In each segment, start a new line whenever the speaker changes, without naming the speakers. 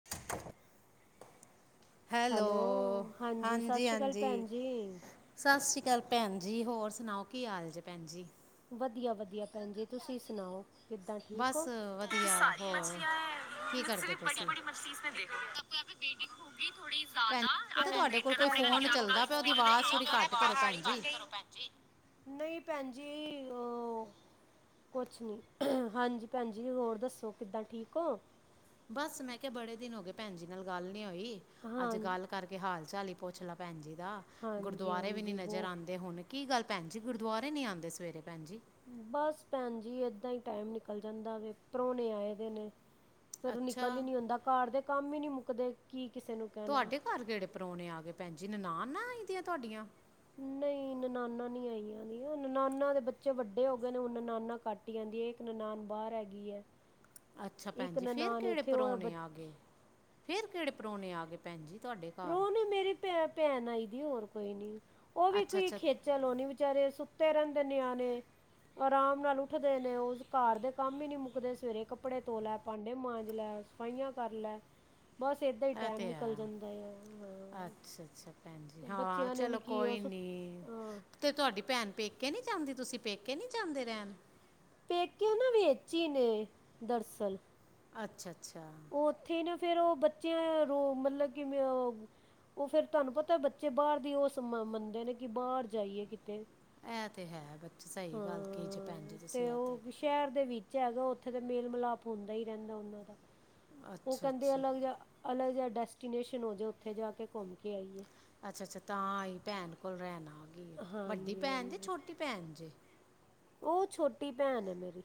[inaudible]
Hello
hello
ਸਤਿ
ਹਾਂਜੀ
ਸ਼੍ਰੀ ਅਕਾਲ
ਹਾਂਜੀ
ਭੈਣ ਜੀ
ਸਤਿ ਸ਼੍ਰੀ ਅਕਾਲ ਭੈਣ ਜੀ, ਹੋਰ ਸੁਣਾਓ ਕੀ ਹਾਲ ਜੇੇ ਭੈਣ ਜੀ।
ਵਧੀਆ ਵਧੀਆ ਭੈਣ ਜੀ, ਤੁਸੀਂ ਸੁਣਾਓ ਕਿੱਦਾਂ ਠੀਕ ਹੋ?
ਬਸ
ਕਿਤੀ
ਵਧੀਆ
ਸਾਰੀ
ਹੋਰ
ਮਛਲੀਆਂ
ਕੀ
ਮੁਝ ਸੇ
ਕਰਦੇ
ਵੀ
ਪਏ
ਬੜੀ
ਸੀ
ਬੜੀ ਮਲੀ ਤ ਵੇਟਿੰਗ ਹੋ ਗਗੀ ੋੜੀ
ਭੈਣ
ਜ਼ਿਆਦਾ
ਤੇ ਤੁਹਾਡੇ ਕੋਲ ਕੋਈ ਫੋਨ ਚੱਲਦਾ ਪਿਆ ਉਹਦੀ ਆਵਾਜ਼ ਥੋੜ੍ਹੀ ਘੱਟ ਕਰੋ ਭੈਣ ਜੀ
[unintelligible] [unintelligible] ਨਹੀਂ ਭੈਣਜੀ
[inaudible]
ਕੁਛ ਨਈ, ਹਾਂਜੀ ਭੈਣਜੀ ਹੋਰ ਦੱਸੋ, ਕਿੱਦਾਂ ਠੀਕ ਹੋ।
ਬਸ ਮੈਂ ਕਿਹਾ ਬੜੇ ਦਿਨ ਹੋ ਗਏ, ਭੈਣ ਜੀ ਨਾਲ ਗੱਲ ਨੀ ਹੋਈ
ਹਾਂ
ਅੱਜ ਗੱਲ ਕਰਕੇ, ਹਾਲ ਚਾਲ ਹੀ ਪੁੱਛ ਲ ਭੈਣ ਜੀ ਦਾ,
ਹਾਂਜੀ
ਗੁਰਦੁਆਰੇ ਵੀ ਨੀ
ਹਾਂਜੀ
ਨਜ਼ਰ
ਵੋ
ਆਉਂਦੇ ਹੁਣ ਕੀ ਗੱਲ ਭੈਣ ਜੀ, ਗੁਰਦੁਆਰੇ ਨਈ ਆਂਦੇ ਸਵੇਰੇ ਭੈਣ ਜੀ
ਬਸ ਭੈਣ ਜੀ ਐਦਾਂ ਹੀ ਟਾਈਮ ਨਿਕਲ ਜਾਂਦਾ ਵੈ, ਪ੍ਰੁਣੇ ਆਏ ਦੇ ਨੇ ਫਿਰ ਨਿਕਲ ਹੀ
ਅੱਛਾ
ਨਈ ਹੁੰਦਾ, ਘਰ ਦੇ ਕੰਮ ਹੀ ਨਈ ਮੁੱਕਦੇ, ਕੀ ਕਿਸੇ ਨੂੰ ਕਹਿਣਾ।
ਤੁਹਾਡੇ ਘਰ ਕੇੜੇ ਪ੍ਰਾਹੁਣੇ ਆ ਗਏ ਭੈਣਜੀ, ਨਨਾਣਾ ਆਈਦੀਆਂ ਤੁਹਾਡੀਆਂ
ਨਨਾਣਾ ਨੀ ਆਈ ਜਾਂਦੀਆਂ, ਨਨਾਣਾ ਦੇ ਬੱਚੇ ਵੱਡੇ ਹੋ ਗਏ ਨੇ, ਉਹ ਨਨਾਣਾ ਹੁਣ ਕੱਟ ਹੀ ਆਉਂਦੀ ਹੈ। ਇੱਕ ਨਨਾਣ ਬਾਹਰ ਹੈਗੀ ਹੈ।
ਅੱਛਾ ਭੈਣ
ਇੱਕ
ਜੀ, ਫ਼ਿਰ
ਨਨਾਨ
ਕਿਹੜੇ
ਇੱਥੇ ਉਹ
ਪਰੌਣੇ ਆ
ਬੱਚ
ਗਏ। ਫਿਰ ਕਿਹੜੇ ਪਰੌਣੇ ਆ ਗਏ, ਭੈਣ ਜੀ ਤੁਹਾਡੇ ਘਾਰ।
ਭੇ ਭੈਣ ਆਈ ਦੀ ਐ, ਹੋਰ ਕੋਈ ਨੀ, ਉਹ ਵੀ
ਅੱਛਾ
ਕੋਈ
ਅੱਛਾ
ਖੇਤੀ ਚਲੋ ਨੀ ਵਿਚਾਰੇ, ਸੁੱਤੇ ਰਹਿੰਦੇ ਨਿਆਣੇ। ਆਰਾਮ ਨਾਲ ਉੱਠਦੇ ਨੇ, ਉਸ ਘਾਰ ਦੇ ਕੰਮ ਹੀ ਨਹੀਂ ਮੁੱਕਦੇ, ਸਵੇਰੇ ਕੱਪੜੇ ਧੋ ਲੈ, ਭਾਂਡੇ ਮਾਂਜ ਲੈ। ਸਫਾਈਆਂ ਕਰ ਲੈ।
[inaudible]
ਬਸ, ਇਦਾਂ ਹੀ
ਇਹ
ਟਾਈਮ
ਤੇ
ਨਿਕਲ
ਹੈ
ਜਾਂਦਾ ਆ। ਹਾਂ
ਅੱਛਾ ਅੱਛਾ ਭੈਣ ਜੀ, ਹਾਂ
ਬੱਚਿਆਂ ਨੇ
ਚਲੋ
ਵੀ ਕੀ ਉਹ
ਕੋਈ
ਸੁ
ਨੀ
ਹਾਂ
ਤੇ ਤੁਹਾਡੀ ਭੈਣ ਪੇਕੇ ਕੇ ਨਹੀਂ ਜਾਂਦੀ, ਤੁਸੀਂ ਪੇਕੇ ਨਹੀਂ ਜਾਂਦੇ ਰਹਿਣ।
ਪੇਕੇ ਨਾ ਵਿਚ ਈ ਨੇ ਦਰਅਸਲ
ਅੱਛਾ- ਅੱਛਾ
ਉੱਥੇ ਨਾ ਫੇਰ ਉਹ, ਬੱਚਿਆਂ ਰੋ ਮਤਲਬ ਕਿਵੇਂ ਉਹ ਫੇਰ ਤੁਹਾਨੂੰ ਪਤਾ ਬੱਚੇ ਬਾਹਰ ਦੀ ਉਸ ਮੰਨਦੇ ਨੇ, ਕਿ ਬਾਹਰ ਜਾਈਏ ਕਿਤੇ
ਐ ਤੇ ਹੈ ਬੱਚ ਸਹੀ ਗੱਲ ਕਹੀ ਜੇ ਭੈਣ ਜੇ
ਹਾਂ
ਤੁਸੀਂ ਇਹ ਤੇ।
ਉਹ ਸ਼ਹਿਰ ਦੇ ਵਿੱਚ ਹੈਗਾ ਉੱਥੇ ਤਾਂ ਮੇਲ-ਮਿਲਾਪ ਹੁੰਦਾ ਹੀ ਰਹਿੰਦਾ ਉਹਨਾਂ ਦਾ। ਉਹ
ਅੱਛਾ
ਕਹਿੰਦੇ
ਅੱਛਾ
ਅਲੱਗ ਜਾ, ਅਲੱਗ ਜਾ ਡੈਸਟੀਨੇਸ਼ਨ ਹੋ ਜਾ ਉੱਥੇ ਜਾ ਕੇ ਘੁੰਮ ਕੇ ਆਈਏ।
ਅੱਛਾ-ਅੱਛਾ ਤਾਂ ਆਈ ਭੈਣ ਕੋਲ ਰਹਿਣ ਆ ਗਈ। ਵੱਡੀ
ਹਾਂਜੀ
ਭੈਣ ਜੇ
ਹਾਂਜੀ
ਛੋਟੀ ਭੈਣ ਜੇ?
ਉਹ ਛੋਟੀ ਭੈਣ ਹੈ ਮੇਰੀ।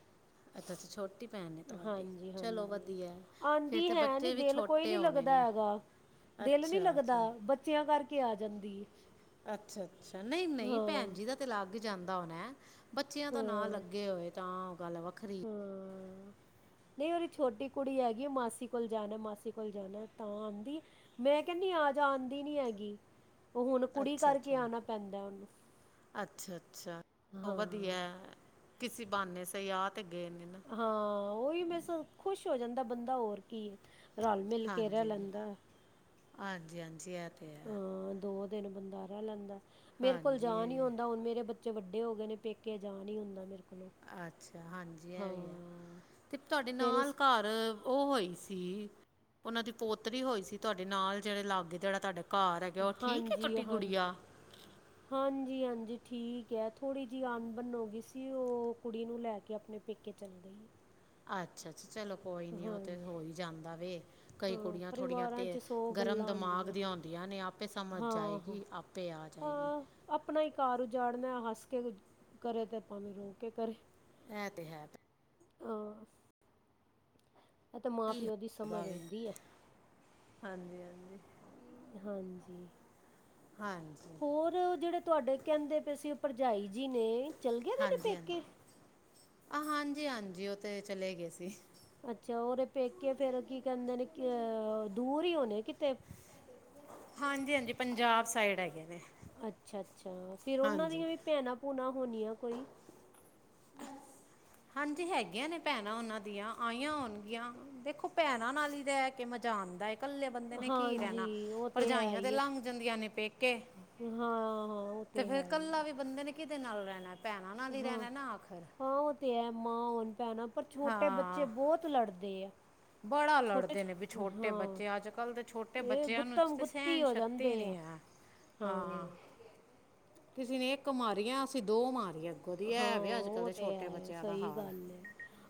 ਅੱਛਾ ਅੱਛਾ ਛੋਟੀ ਭੈਣ ਨੇ ਤੁਹਾਡੀ ਚਲੋ
ਹਾਂਜੀ-ਹਾਂਜੀ,
ਵਧੀਆ ਹੈ। ਫਿਰ
ਆਂਦੀ
ਤੇ
ਹੈ ਨੀ
ਬੱਚੇ ਵੀ
ਦਿਲ ਕੋਈ
ਛੋਟੇ
ਨੀ
ਹੋਣੇ
ਲੱਗਦਾ
ਨੇ
ਹੈਗਾ, ਦਿਲ ਨੀ
ਅੱਛਾ ਅੱਛਾ
ਲੱਗਦਾ, ਬੱਚਿਆਂ ਕਰਕੇ ਆ ਜਾਂਦੀ ਏ।
ਅੱਛਾ-ਅੱਛਾ ਨਹੀਂ-ਨਹੀਂ ਭੈਣ ਜੀ ਦਾ ਤੇ ਲੱਗ ਜਾਂਦਾ ਹੋਣਾ। ਬੱਚਿਆਂ ਦਾ ਨਾ
ਹਾਂ
ਲੱਗੇ ਹੋਏ ਤਾਂ ਉਹ ਗੱਲ ਵੱਖਰੀ।
ਨਈ ਉਹਦੀ ਛੋਟੀ ਕੁੜੀ ਹੈਗੀ ਮਾਸੀ ਕੋਲ ਜਾਣਾ ਮਾਸੀ ਕੋਲ ਜਾਣਾ ਤਾਂ ਆਂਦੀ ਮੈਂ ਕਹਿੰਨੀ ਆਜਾ ਆਂਦੀ ਨੀ ਹੈਗੀ, ਉਹ ਹੁਣ ਕੁੜੀ ਕਰਕੇ ਆਣਾ ਪੈਂਦਾ ਉਹਨੂੰ।
ਅੱਛਾ-ਅੱਛਾ ਉਹ ਵਧੀਆ
ਹਾਂ
ਕਿਸੀ ਬਹਾਨੇ ਸਹੀ ਆ ਤੇ ਗਏ ਨੇ ਨਾ।
ਹਾਂ ਉਹੀ ਮੇ ਖੁਸ਼ ਹੋ ਜਾਂਦਾ ਬੰਦਾ ਹੋਰ ਕੀ ਹੈ।
ਹਾਂਜੀ-ਹਾਂਜੀ, ਹਾਂਜੀ-ਹਾਂਜੀ ਇਹ ਤੇ ਹੈ।
ਹਾਂ ਦੋ ਦਿਨ ਬੰਦਾ ਰਹਿ ਲੈਂਦਾ, ਮੇਰੇ ਕੋਲ ਜਾ ਨੀ
ਹਾਂਜੀ
ਹੁੰਦਾ ਹੁਣ ਮੇਰੇ ਬਚੇ ਬੱਚੇ ਵੱਡੇ ਹੋ ਗਏ ਨੇ ਪੇਕੇ ਜਾ ਨਈ ਹੁੰਦਾ ਮੇਰੇ ਕੋਲੋਂ।
ਅੱਛਾ ਹਾਂਜੀ ਇਹ ਵੀ ਹੈ,
ਹਾਂ
ਤੇ ਤੁਹਾਡੇ
ਫਿਰ
ਨਾਲ
ਇਸ
ਘਰ ਉਹ ਹੋਈ ਸੀ ਉਹਨਾਂ ਦੀ ਪੋਤਰੀ ਹੋਈ ਸੀ ਤੁਹਾਡੇ ਨਾਲ ਜਿਹੜੇ ਲਾਗੇ ਜਿਹੜਾ ਤੁਹਾਡੇ ਘਰ ਹੈਗਾ ਉਹ ਠੀਕ ਹੈ ਛੋਟੀ ਗੁੜੀਆ?
ਹਾਂਜੀ-ਹਾਂਜੀ ਠੀਕ ਹੈ ਥੋੜੀ ਜਿਹੀ ਅਣਬਨ ਹੋ ਗਈ ਸੀ ਉਹ ਕੁੜੀ ਨੂੰ ਲੈ ਕੇ ਆਪਣੇ ਪੇਕੇ ਚਲੀ ਗਈ।
ਅੱਛਾ-ਅੱਛਾ ਚਲੋ ਕੋਈ ਨਈ ਉਹ ਤਾਂ
ਹਾਂਜੀ
ਹੋ ਹੀ ਜਾਂਦਾ ਵੇ, ਕਈ
ਹਾਂ
ਕੁੜੀਆਂ ਥੋੜ੍ਹੀਆਂ
ਪਰਿਵਾਰਾਂ
ਤੇਜ
'ਚ ਸੌ
ਗਰਮ
ਗੱਲਾਂ
ਦਿਮਾਗ
ਹੁੰਦੀਆਂ
ਦੀਆਂ ਹੁੰਦੀਆਂ ਨੇ ਆਪੇ ਸਮਝ
ਹਾਂ ਹਾਂ
ਜਾਏਗੀ ਆਪੇ ਆ ਜਾਏਗੀ।
ਹਾਂ ਆਪਣਾ ਹੀ ਘਰ ਉਜਾੜਨਾ ਹੱਸ ਕੇ ਕਰੇ ਤੇ ਭਾਵੇਂ ਰੋ ਕੇ ਕਰੇ।
ਐ ਤੇ ਹੈ।
ਹਾਂ ਉਹ ਤੇ
ਕੀ
ਮਾਂ-ਪਿਓ ਦੀ ਸਮਝ ਹੁੰਦੀ ਏ।
ਹਾਂਜੀ-ਹਾਂਜੀ
ਹਾਂਜੀ
ਹਾਂਜੀ
ਤੇ ਉਹ ਜਿਹੜੇ ਤੁਹਾਡੇ ਕਹਿੰਦੇ ਪਏ ਸੀ ਉਹ ਭਰਜਾਈ ਜੀ ਨੇ ਚਲਗੇ ਦੇ ਨੇ
ਹਾਂਜੀ ਹਾਂਜੀ
ਪੇਕੇ?
ਆ ਹਾਂਜੀ-ਹਾਂਜੀ ਉਹ ਤੇ ਚਲੇ ਗਏ ਸੀ।
ਅੱਛਾ ਉਹਦੇ ਪੇਕੇ ਫੇਰ ਕੀ ਕਹੰਦੇ ਨੇ ਦੂਰ ਈ ਹੋਣੇ ਕਿਤੇ?
ਹਾਂਜੀ-ਹਾਂਜੀ ਪੰਜਾਬ ਸਾਈਡ ਹੈਗੇ ਨੇ।
ਅੱਛਾ-ਅੱਛਾ ਫਿਰ ਉਹਨਾਂ
ਹਾਂਜੀ
ਦੀਆਂ ਵੀ ਭੈਣਾਂ-ਭੂਣਾ ਹੋਣੀਆਂ ਕੋਈ।
ਹਾਂਜੀ ਹੈਗੀਆਂ ਨੇ ਭੈਣਾਂ ਉਹਨਾਂ ਦੀਆਂ ਆਈਆਂ ਹੋਣਗੀਆਂ। ਦੇਖੋ ਭੈਣਾ ਨਾਲ ਹੀ ਰਹਿ ਕੇ ਮਜਾ ਆਂਦਾ ਹੈ। ਇਕੱਲੇ ਬੰਦੇ ਨੇ ਕੀ ਰਹਿਣਾ,
ਹਾਂਜੀ ਉਹ ਹੈ
ਭਰਜਾਈਆਂ ਤੇ
ਹੀ ਹੈ
ਲੰਘ ਜਾਂਦੀਆਂ ਨੇ ਪੇਕੇ।
ਹਾਂ ਹਾਂ ਉਹ
ਤੇ ਫੇਰ
ਹੈ ਹੀ
ਕੱਲਾ
ਹੈ
ਵੀ ਬੰਦੇ ਨੇ ਕਿਦੇ ਨਾਲ ਰਹਿਣਾ ਭੈਣਾਂ ਨਾਲ ਹੀ
ਹਾਂ
ਰਹਿਣਾ ਨਾ ਆਖਿਰ।
ਹਾਂ ਉਹ ਤੇ ਹੈ ਮਾਂ ਹੋਣ ਭੈਣ ਪਰ ਛੋਟੇ ਬੱਚੇ
ਹਾਂ
ਬਹੁਤ ਲੜਦੇ ਆ।
ਬੜਾ
ਛੋਟੇ
ਲੜਦੇ ਨੇ ਵੀ
ਛੋ
ਛੋਟੇ
ਹਾਂ
ਬੱਚੇ ਅੱਜਕੱਲ ਦੇ ਛੋਟੇ
ਇਹ
ਬੱਚਿਆਂ ਨੂੰ
ਗੁੱਤਮ
ਤੇ
ਗੁੱਤੀ
ਸਹਿਣ
ਹੋ
ਸ਼ਕਤੀ ਈ
ਜਾਂਦੇ ਆ
ਨਹੀਂ ਹੈ। ਹਾਂ
ਹਾਂ
ਕਿਸੇ ਨੇ ਇੱਕ ਮਾਰੀਆਂ ਅਸੀਂ ਦੋ ਮਾਰੀ ਅੱਗੋਂ ਦੀ
ਹਾਂ
ਇਹ ਵੇ ਅੱਜਕੱਲ
ਉਹ
ਦੇ
ਤੇ
ਛੋਟੇ
ਹੈ
ਬੱਚਿਆਂ ਦਾ
ਸਹੀ
ਹਾਲ।
ਗੱਲ ਹੈ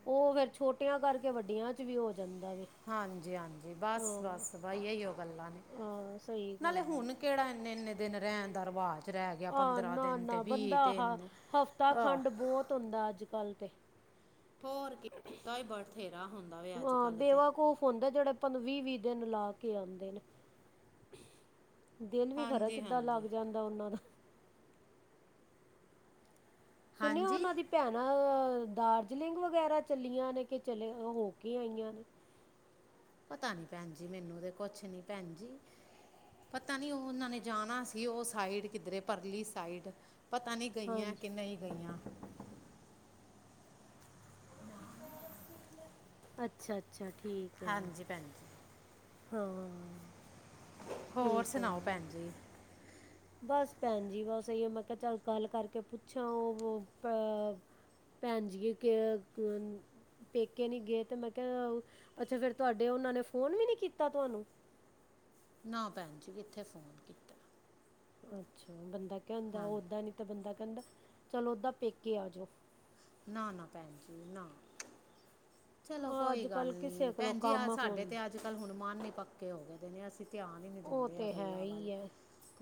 ਉਹ ਫੇਰ ਛੋਟਿਆਂ ਕਰਕੇ ਵੱਡੀਆਂ ਚ ਵੀ ਹੋ ਜਾਂਦਾ ਵੇ।
ਹਾਂਜੀ-ਹਾਂਜੀ
ਹਾਂ
ਬਸ-ਬਸ ਬਾਈ ਇਹੀਓ ਗੱਲਾਂ ਨੇ।
ਹਾਂ ਸਹੀ
ਨਾਲੇ
ਗੱਲ ਹੈ
ਹੁਣ ਕਿਹੜਾ ਇੰਨੇ-ਇੰਨੇ ਦਿਨ ਰਹਿਣ ਦਾ ਰਿਵਾਜ ਰਹਿ ਗਿਆ ਗਿਆ
ਆ
ਪੰਦਰਾਂ
ਨਾ
ਦਿਨ ਤੇ
ਨਾ
ਵੀ
ਬੰਦਾ ਆਹ
ਦਿਨ
ਹਫ਼ਤਾ
ਆ
ਖੰਡ ਬਹੁਤ ਹੁੰਦਾ ਅੱਜਕੱਲ ਤੇ।
ਹੋਰ ਕੀ [unintelligible] ਦਾ ਬਥੇਰਾ ਹੁੰਦਾ ਵੇ ਅੱਜਕੱਲ੍ਹ ਤੇ।
ਖੁਫ ਹੁੰਦੇ ਜੇੈੜੇ ਆਪ ਵੀ ਵੀ ਦਿਨ ਲਾ ਕੇ ਆਉਂਦੇ ਨੇ ਦਿਲ ਵੀ ਖਰਾ
ਹਾਂਜੀ
ਕਿੱਦਾਂ ਲੱਗ
ਹਾਂਜੀ
ਜਾਂਦਾ ਓਨਾਂ ਦਾ। ਸੁਣਿਆ
ਹਾਂਜੀ
ਓਨਾਂ ਦੀ ਭੈਣਾਂ ਦਾਰਜਲਿੰਗ ਵਗੈਰਾ ਚੱਲੀਆਂ ਨੇ ਕਿ ਚਲੇ ਹੋ ਕੇ ਆਈਆਂ ਨੇ
ਪਤਾ ਨੀ ਭੈਣ ਜੀ ਮੈਨੂੰ ਤੇ ਕੁਛ ਨੀ ਭੈਣ ਜੀ ਪਤਾ ਨੀ ਉ ਉਹਨਾਂ ਨੇ ਜਾਣਾ ਸੀ ਉਹ ਸਾਈਡ ਕਿੱਧਰੇ ਪਰਲੀ ਸਾਈਡ ਪਤਾ ਨੀ ਗਈਆਂ
ਹਾਂਜੀ
ਕੇ ਨਈ ਗਈਆਂ
ਅੱਛਾ, ਅੱਛਾ ਠੀਕ ਹੈ
ਹਾਂਜੀ ਭੇਣਜੀ
ਹਾਂ [unintelligible]
ਹੋਰ
ਠੀਕ
ਸੁਣਾਓ
ਹੈ
ਭੈਣ ਜੀ
ਬਸ ਭੈਣ ਜੀ ਬਸ ਏਈਓ ਮੈਂ ਕਿਈ ਚੱਲ ਗੱਲ ਕਰਕੇ ਪੁੱਛਾਂ ਉਹ ਅ ਭੈਣ ਜੀਆਂ ਕ ਪੇਕੇ ਨੀ ਗਏ ਤੇ ਮੈਂ ਕਿਆ ਅੱਛਾ ਫੇਰ ਤੁਆਡੇ ਉਨਾਂ ਨੇ ਫੋਨ ਵੀ ਨੀ ਕੀਤਾ ਤੁਆਨੂੰ।
ਨਾ ਪੈਣ ਜੀ ਕਿੱਥੇ ਫੋਨ ਕੀਤਾ
ਅੱਛਾ ਬੰਦਾ ਕੈਦਾਂ
ਹਾਂ
ਓਦਾਂ ਨੀ ਤਾਂ ਬੰਦਾ ਕਹੰਦੇ ਚੱਲ ਓਦਾਂ ਪੇਕੇ ਆ ਜਾਓ
ਨਾ ਨਾ ਭੈਣ ਜੀ ਨਾ ਚਲੋ
ਹਾਂ
ਕੋਈ
ਅੱਜ
ਗੱਲ
ਕੱਲ੍ਹ ਕਿਸੇ
ਨੀ
ਕੋਲੋਂ
ਭੈਣ ਜੀ ਆ
ਕੰਮ
ਸਾਡੇ
ਹੁੰਦਾ
ਤੇ ਅੱਜ ਕੱਲ ਹੁਣ ਮਨ ਈ ਪੱਕੇ ਹੋ ਗਏ ਦੇ ਨੇ ਅਸੀਂ ਧੀਆਨ ਈ ਨੀ
ਉਹ
ਦਿੰਤੇ ਏ
ਤਾਂ ਹੈ
ਗੱਲਾਂ ਵੱਲ
ਹੀ ਹੈ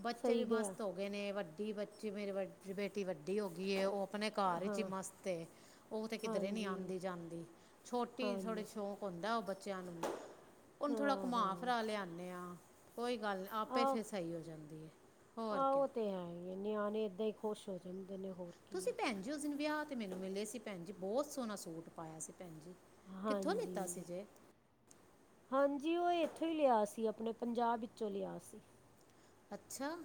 ਬੱਚੇ ਵੀ
ਸਹੀ ਗਿਆ
ਮਸਤ ਹੋ ਨੇ ਵੱਡੀ ਬੱਚੀ ਮੇਰੀ ਵੱ ਬੇਟੀ ਵੱਡੀ ਹੋ ਗਈ ਓ ਆਪਣੇ ਘਰ ਵਿੱਚ ਈ
ਹਾਂ
ਮਸਤ ਏ ਉ ਤੇ ਕਿਧਰੇ ਨੀਂ
ਹਾਂਜੀ
ਆ਼ਦੀ ਜਾਂਦੀ ਛੋਟੀ ਥੋੜ੍ਹੀ
ਹਾਂਜੀ
ਸ਼ੌਕ ਹੋਂਦਾ ਉ ਬੱਚਿਆਂ ਨੂੰ ਉੰਨ ਥੋੜ੍ਹਾ
ਹਾਂ
ਕੁੱਮਾ
ਹਾਂ
ਫਰਾ ਲਿਆਨੇ ਆ ਕੋਈ ਗੱਲ ਨੀ ਆਪੇ
ਆਹ
ਫੇਰ ਸਈ ਹੋ ਜਾਂਦੀ ਏ ਹੋਰ
ਆਹੋ
ਕਿਆ
ਉਹ ਤੇ ਹੈ ਹੀ ਨਿਆਣੇ ਏਦਾਂ ਈ ਖੋਸ਼ ਹੋ ਜਾਂਦੇ ਨੇ ਹੋਰ ਕੀ
ਤੁਸੀਂ
ਹੈ
ਭੈਣ ਜੀ ਉਸ ਦਿਨ ਵੇਆ ਤੇ ਮੈਨੂੰ ਮਿਲੇ ਸੀ ਭੈਣ ਜੀ ਬੋਤ ਸੋਣਾ ਸੂਟ ਪਾਇਆ ਸੀ ਭੈਣ ਜੀ। ਕਿੱਥੋਂ ਲਿੱਤਾ ਸੀ
ਹਾਂਜੀ।
ਜੇ
ਹਾਂਜੀ, ਔ ਐਥੋਂ ਹੀ ਲਿਆ ਸੀ ਅਪਣੇ ਪੰਜਾਬ ਇਚੋਂ ਲਿਆ ਸੀ।
ਅੱਛਾ,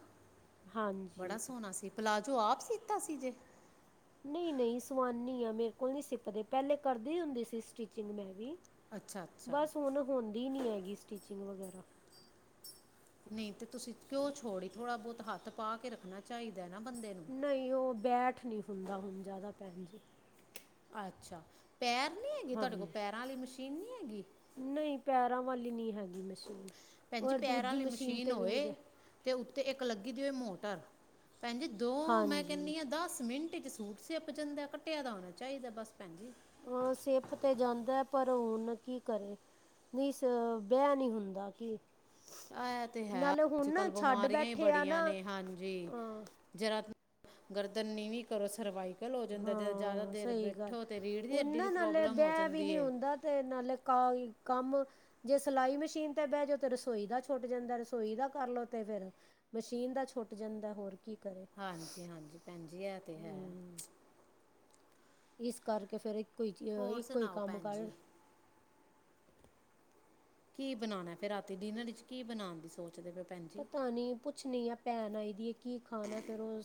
ਹਾਂਜੀ
ਬੜਾ ਸੋਣਾ ਸੀ, ਪਲਾਜ਼ੋ ਆਪ ਸੀਤਾ ਸੀ ਜੇ!
ਨੀ ਨਹੀਂ ਸਵਾਨੀ ਆਂ, ਮੇਰੇ ਕੋਲ ਨੀ ਸਿਪਦੇ ਪੈਲੇ ਕਰਦੀ ਹੁੰਦੀ ਸੀ ਸਟਿਚਿੰਗ ਮੈਂ ਵੀ।
ਅੱਛਾ ਅੱਛਾ
ਬੱਸ ਹੁਣ ਹੋੰਦੀ ਨੀ ਹੈਗੀ, ਸਟਿਚਿੰਗ ਵਗੈਰਾ।
ਨੀ, ਤੇ ਤੁਸੀਂ ਕਿਓ ਛੋੜੀ? ਥੋੜਾ ਬੌਤ ਹੱਥ ਪਾ ਕੇ ਰੱਖਣਾ ਚਾਈਦੈ ਨਾ ਬੰਦੇ ਨੂੰ।
ਨਹੀਂ, ਓਹ ਬੈਠ ਨ੍ਹੀਂ ਹੁੰਦਾ ਹੁਣ ਜੈਦਾ ਭੈਣ ਜੀ।
ਅੱਛਾ, ਪੈਰ ਨੀ ਹੈਗੀ ਤੁਹਾਡੇ ਕੋਲ ਪੈਰਾਂ ਅਲੀ ਮਸ਼ੀਨ ਨੀ ਹੈਗੀ?
ਨਈ ਪੈਰਾਂ ਵਾਲੀ ਨੀਂ ਹੈਗੀ ਮਸ਼ੀਨ
ਭੈਣ ਜੀ
ਔਰ
ਪੈਰਾਂ
ਦੂਜੀ
ਆਲੀ ਮਸ਼ੀਨ
'ਤੇ ਵੀ
ਹੋਏ
ਨਹੀਂ ਬੈ
ਅਤ ਉੱਤੇ ਇੱਕ ਲੱਗੀ ਦੀ ਹੋਵੇ ਮੋਟਰਭੈਣ ਜੀ ਦੋ ਮੈਂ
ਹਾਂਜੀ
ਕਹੰਨੀ ਆ ਦੱਸ ਮਿੰਟ 'ਚ ਸੂਟ- ਸਿਪ ਜਾਂਦਾ ਕੱਟਿਆ ਦਾ ਹੋਣਾ ਚਾਈਦਾ ਬਸ ਭੈਣ ਜੀ
ਅ ਸੇਪ ਤੇ ਜਾਂਦਾ ਪਰ ਹੁਣ ਕੀ ਕਰੇ ਨੀਸ ਬੇਆ ਨੀ ਹੁੰਦਾ ਕਿ
ਆ ਤੇ ਹੈ ਅੱਜ ਕੱਲ
ਛੱਡ
ਬਮਾਰੀਆਂ ਈ
ਬੈਠੇ ਆ
ਬੜੀਆਂ
ਨਾ
ਨੇ ਹਾਂਜੀ
ਹਾਂ
ਜਰਾ ਗਰਦਨ ਨੀਵਂ ਕਰੋ ਸਰਵਾਈਕਲ ਹੋ ਜਾਂਦਾ ਜਦੋਂ ਜ਼ਿਆਦਾ
ਹਾਂ
ਦੇਰ
ਸਈ ਗੱਲ
ਬੈਠੋ ਤੇ ਰੀੜ੍ਹ ਦੀ
ਹੁਨੰ
ਹੱਡੀ ਦੀ
ਨਾ ਨਾਲੇ
ਪ੍ਰੋਬਲਮ ਹੋ
ਬੈ ਵੀ
ਜਾਂਦੀ
ਨੀ
ਏ
ਹੁੰਦਾ ਤੇ ਨਾਲੇ ਕ ਕੰਮ ਜੇ ਸਲਾਈ ਮਸ਼ੀਨ ਤੇ ਬੇ ਜਾਓ ਤੇ ਰਸੋਈ ਦਾ ਛੁੱਟ ਜਾਂਦਾ ਰਸੋਈ ਦਾ ਕਰਲੋ ਤੇ ਫੇਰ ਮਸ਼ੀਨ ਦਾ ਛੋਟ ਜਾਂਦੈ, ਹੋਰ ਕੀ ਕਰੇ?
ਹਾਂਜੀ ਹਾਂਜੀ ਭੈਣ ਜੀ ਇਹ ਤੇ ਹੈ
ਹੂੰ। ਇਸ ਕਰਕੇ ਫੇਰ ਇੱਕੋ ਈ ਚ
ਹੋਰ
ਇੱਕੋ ਹੀ
ਸੁਣਾਓ
ਕੰਮ
ਭੈਣ
ਕਰ
ਜੀ ਕੀ ਬਣਾਣੈ, ਫੇਰ ਰਾਤੀ ਡਿਨਰ ਇਚ ਕੀ ਬਣਾਣ ਦੀ ਸੋਚ ਚਦੇ ਪੇ ਔ ਪੈਣ
ਪਤਾ ਨੀ ਪੁੱ ਪੁਛਣੀ ਆ ਭੈਣ ਆਈ ਦੀ ਏ ਕੀ ਖਾਣੈ, ਫੇਰ ਓਹ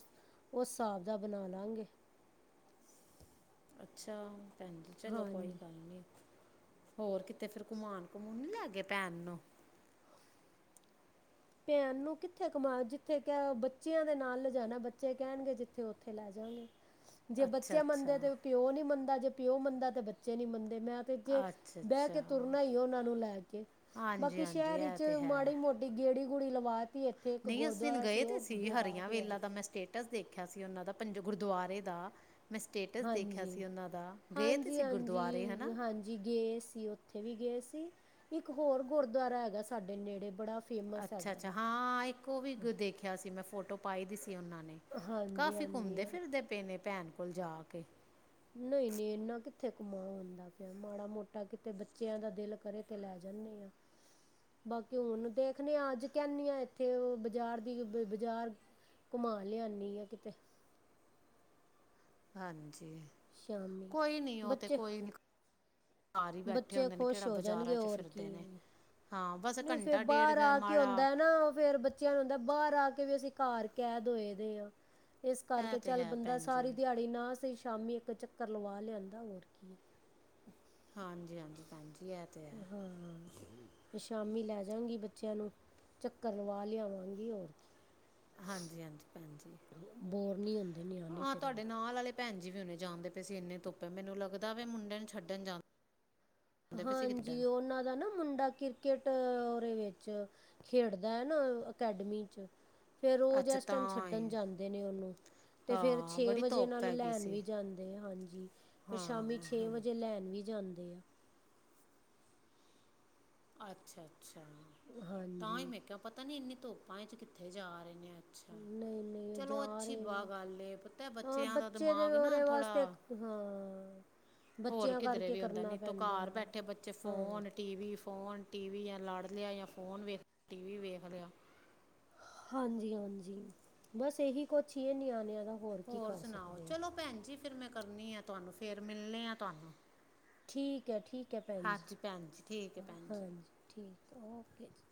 ਓਸ ਸਾਬ ਦਾ ਬਣਾ ਲਾੰਗੇ।
ਅੱਛਾ, ਭੈਣ ਜੀ ਚਲੋ ਕੋਈ
ਹਾਂਜੀ
ਗੱਲ ਨੀ। ਹੋਰ ਕਿਤੇ ਫਿਰ ਘੁਮਾਨ-ਘੁਮੂਣ ਨੀ ਲੈ ਗੇ ਭੈਣ ਨੂੰ?
ਭੈਣ ਨੂੰ ਕਿੱਥੇ ਘੁਮਾ ਜਿੱਥੇ ਕਿਹਾ ਬੱਚਿਆਂ ਦੇ ਨਾਲ ਲੈ ਜਾਣਾ ਬੱਚੇ ਕਹਿਣਗੇ ਜਿੱਥੇ ਓਥੇ ਲੈ ਜਾਂਗੇ।
[inaudible]
ਜੇ ਬੱਚੇ
ਅੱਛਾ
ਮੰਨਦੇ ਤੇ ਪਿਓ ਨੀ ਮੰਨਦਾ, ਜੇ ਪਿਉ ਮੰਨਦਾ ਤੇ ਬੱਚੇ ਨੀ ਮੰਨਦੇ। ਮੈਂ ਤੇ ਜੇ
ਅੱਛਾ
ਬੈ ਕੇ
ਅੱਛਾ
ਤੁਰਨਾ ਈ ਓਹਨਾ ਨੂੰ ਲੈ ਕੇ।
ਹਾਂਜੀ
ਬਾਕੀ
ਹਾਂਜੀ
ਸ਼ਹਿਰ
ਇਹ
ਇਚ
ਤੇ
ਮਾੜੀ-ਮੋਟ ਟੀ ਗੇੜੀ-ਗੂੜੀ ਲਵਾ ਤੀੇ ਏ।
ਨੀ ਅਸੀਂ ਉਸ ਦਿਨ ਗਏ ਦੇ ਸੀ, ਹਰੀਆਂ
ਲਿਆਏ
ਵੇਲਾ ਦਾ ਮੈਂ ਸਟੇਟ ਟਸ ਦੇਖਿਆ ਸੀ ਓਹਨਾਂ ਦਾ, ਪੰਜ ਗੁਰਦੁਆਰੇ ਦਾ। ਮੈਂ ਸਟੇਟਸ ਦੇਖਿਆ
ਹਾਂਜੀ
ਸੀ ਔਨਾਂ ਦਾ, ਗਏ ਦੇ ਸੀ ਗੁਰਦੁਆਰੇ ਹੈਨਾ।
ਜੀ ਗਏ ਸੀ ਓਥੇ ਵੀ ਗਏ ਸੀ, ਇੱਕ ਹੋਰ ਗੁਰਦਵਾਰਾ ਹੈਗਾ ਸਾਡੇ ਨੇੜੇ ਬੜਾ ਫੇਮਸ ਹੈਗਾ
ਅੱਛਾ-ਅੱਛਾ,
ਵੇ
ਹਾਂ ਇੱਕ ਓਹ ਵੀ ਦੇਖਿਆ ਸੀ ਮੈਂ ਫੋਟੋ ਪਾਈ ਦੀ ਸੀ ਓਨਾਂ ਨੇ।
ਹਾਂਜੀ
ਕਾਫੀ
ਹਾਂਜੀ
ਘੁੰਮਦੇ-ਫਿਰਦੇ ਪੇ ਨੇ ਭੈਣ ਕੋਲ ਜਾ ਕੇ।
ਨਈ-ਨਈ ਇਨਾ ਕਿੱਥੇ ਕੁਮਾ ਹੁੰਦਾ ਪਿਆ‌। ਮਾੜਾ-ਮੋਟਾ ਕਿਤੇ ਬੱਚਿਆਂ ਦਾ ਦੇਲ ਕਰੇ ਤੇ ਲੈ ਜਾਂਣੇ ਆਂ। ਬਾਕੀ ਹੁਣ ਦੇਖਣੇ ਆਂ ਅੱਜ ਕੈਣੀ ਆਂ ਏਥੇ ਅ ਬਜ਼ਾਰ ਦੀ ਬ-ਬਜ਼ਾਰ ਘੁਮਾ ਲਿਆਣੀ ਆ ਕਿਤੇ।
ਹਾਂਜੀ,
ਸ਼ਾਮੀ
ਕੋਈ ਨੀ ਓਹ ਤੇ
ਬੱਚੇ
ਕੋਈ ਨੀ।
ਬੱਚੇ ਖੋਸ਼ ਹੋ ਜਾਣਗੇ, ਹੋਰ ਕੀ
ਫਿਰਦੇ ਨੇ
ਏ।
ਹਾਂ ਬਸ
ਨੀ ਫੇਰ
ਘੰਟਾ ਡੇਢ
ਬਾਰ
ਦਾ
ਆ ਕੇ
ਮਾੜਾ
ਹੂੰਦਾ ਨਾ ਔ ਫੇਰ ਬੱ ਚਿਆਂ ਨੂੰ ਹੂੰਦਾ ਬਾਰ ਆ ਕੇ ਵੀ ਅਸੀਂ ਘਾਰ ਕੈਦ ਹੋਏ ਦੇ ਆਂ, ਇਸ
ਇਹ
ਕਰਕੇ
ਤੇ
ਚੱਲ
ਹੈ
ਬੰਦਾ
ਭੈਣ ਜੀ
ਸਾਰੀ ਦਿਹਾੜ ਬਈ ਨਾ ਸਈ ਸ਼ਾਮੀ ਇੱਕ ਚੱਕਰ ਲਵਾ ਲਿਆਂਦਾ, ਹੋਰ ਕੀ।
ਹਾਂਜੀ-ਹਾਂਜੀ, ਭੈਣਜੀ ਐਹ ਤੇ ਹੈ।
ਤੇ ਸ਼ਾਮੀ ਲੈ ਜਾਂਗੀ ਬੱਚਿਆਂ ਨੂੰ, ਚੱਕਰ ਲਵਾ ਲਿਆਵਾਂਗੀ, ਹੋਰ ਕੀ।
ਹਾਂਜੀ-ਹਾਂਜੀ ਭੈਣ ਜੀ।
ਬੋਰ ਨਹੀਂ ਹੁੰਦੇ ਨਿਆਣੇ
ਹਾਂ,
ਫਿਰ
ਤੁਆਡੇ
ਇੱਦਾਂ
ਨਾਲ ਆਲੇ ਭੈਣਜੀ ਵੀ ਹੁਨੇ ਜਾਂਣਦੇ ਪਏ ਸੀ ਇੰਨੇ ਧੂੱਪੇ ਮੈਨੂੰ ਲਗਦਾ ਵੇ ਮੁੰਡੇ ਨੂੰ ਛੱਡਣ ਜਾਂ
ਹਾਂਜੀ ਉਨਾਂ ਦਾ ਨਾ ਮੁੰਡਾ ਕ੍ਰਿਕੇਟ ਔਰੇ ਵਿੱਚ ਖੇਡਦਾ ਐਨਾ ਅਕੈਡਮੀ 'ਚ ਫੇਰ ਰੋਜ਼
ਅੱਛਾ
ਏਸ ਟਾਈਮ
ਤਾਂ
ਛੱਡਣ
ਹੀ
ਜਾਂਦੇ ਨੇ ਉਨੂੰ ਤੇ ਫੇਰ
ਹਾਂ
ਛੇ
ਬੜੀ
ਵਜੇ
ਧੁੱਪ
ਨਾਲ
ਹੈਗੀ
ਲੈਣ
ਸੀ
ਵੀ ਜਾਂਦੇ, ਹਾਂਜੀ ਫੇਰ
ਹਾਂ
ਸ਼ਾਮੀ ਛੇ ਵਜੇ ਲੈਣ ਵੀ ਜਾਂਦੇ ਆ।
ਅੱਛਾ-ਅੱਛਾ
ਹਾਂਜੀ
ਤਾਂ ਹੀ ਮੈਂ ਕਿਹਾ ਪਤਾ ਨੀ ਇੰਨੀ ਧੋਪਾਂ ਇੰਚ ਕਿੱਥੇ ਜਾ ਰਹੇ ਨੇ? ਅੱਛਾ।
ਨਹੀਂ ਨਹੀਂ ਉਹ
ਚਲੋ
ਜਾ
ਅੱਛੀ
ਰਹੇ
ਬਾ
ਆ
ਗਾਲ ਏ ਪਤਾ ਏ,
ਹਾਂ
ਬੱਚਿਆਂ ਦਾ
ਬੱਚੇ ਦੇ
ਦਿਮਾਗ ਨਾ
ਉਹਦੇ ਵਾਸਤੇ
ਥੋੜ੍ਹਾ
ਇੱਕ ਹਾਂ
ਹੋਰ
ਬੱਚਿਆਂ
ਕਿਧਰੇ
ਕਰਕੇ
ਵੀ ਹੋੰਦਾ,
ਕਰਨਾ
ਨੀ ਤੋਂ
ਪੈਂਦਾ
ਘਾਰ
ਆ
ਬੈਠੇ ਬੱਚੇ
ਹਾਂ
phone TV, phone, TV, ਯਾ ਲੜ ਲਿਆ ਯਾ ਫੋਨ ਵੇਖ ਟੀ ਵੀ ਵੇਖ ਲਿਆ।
ਹਾਂਜੀ-ਹਾਂਜ, ਬਸ ਏਹੀ ਕੋਛ ਹੀ ਏ ਨਿਆਣਿਆਂ ਦਾ। ਹੋਰ ਕੀ ਕਰ
ਸੁਣਾਓ
ਸਕਦੇ ਆਂ।
ਚਲੋ ਭੈਣ ਜੀ ਫੇਰ ਮੈਂ ਕਰਨੀ ਆ ਤੁਵਾਨੂੰ ਫੇਰ ਮਿਲਣੇ ਆ ਤੁਵਾਨੂੰ।
ਠੀਕ ਐ, ਠੀਕ ਐ ਭੈਣ ਜੀ।
ਭੈਣ ਜੀ ਠੀਕ ਹੈ ਭੈਣ ਜੀ
ਹਾਂਜੀ, ਠੀਕ ਓਕੇ ਜੀ।